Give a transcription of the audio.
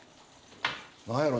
何やろ？